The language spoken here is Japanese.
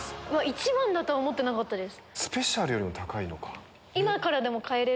一番だとは思ってなかったです。